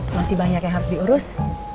masih banyak yang harus diurus